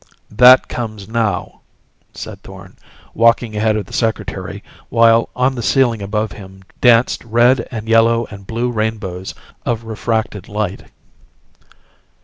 "That comes now," said Thorn, walking ahead of the Secretary while on the ceiling above him danced red and yellow and blue rainbows of refracted light.